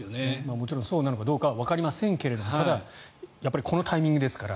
もちろんそうなのかどうかはわかりませんがただ、やっぱりこのタイミングですから。